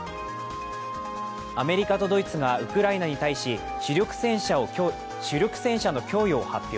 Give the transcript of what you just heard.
アメリカとドイツがウクライナに対し、主力戦車の供与を発表。